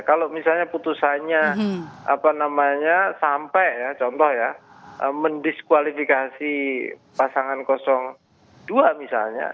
kalau misalnya putusannya apa namanya sampai ya contoh ya mendiskualifikasi pasangan dua misalnya